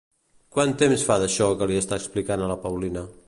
Quant temps fa d'això que li està explicant a la Paulina?